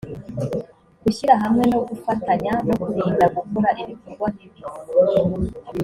gushyira hamwe no gufatanya no kurinda gukora ibikorwa bibi